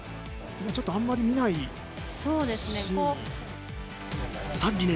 ちょっとあまり見ないシーン。